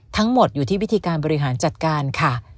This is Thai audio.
ทั้งหมดอยู่ที่วิธีการบริหารจัดการค่ะ